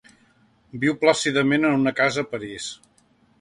Viu plàcidament a una casa a París.